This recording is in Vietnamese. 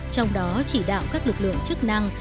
trong đó chỉ đạo các lực lượng chức năng